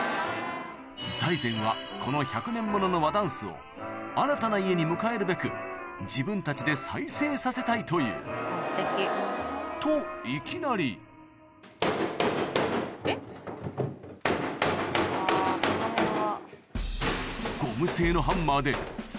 財前はこの１００年ものの和ダンスを新たな家に迎えるべく自分たちで再生させたいというといきなりえっ？そして剥がしちゃう。